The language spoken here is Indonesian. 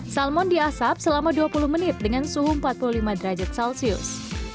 salmon diasap selama dua puluh menit dengan suhu empat puluh lima derajat celcius